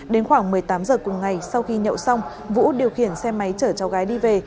đến khoảng một mươi tám h cùng ngày sau khi nhậu xong vũ điều khiển xe máy chở cháu gái đi về